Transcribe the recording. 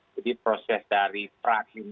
jadi proses dari prak ini